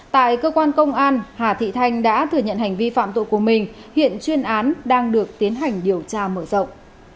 tại cơ quan công an hà thị thanh đã thừa nhận hành vi phạm tội của mình hiện chuyên án đang được tiến hành điều tra mở rộng